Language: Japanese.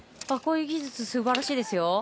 こういう技術、すばらしいですよ。